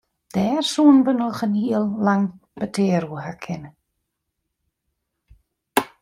Dêr soenen we noch in heel lang petear oer ha kinne.